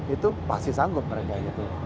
itu pasti sanggup mereka gitu